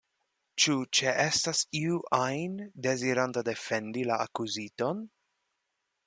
Ĉu ĉeestas iu ajn deziranta defendi la akuziton?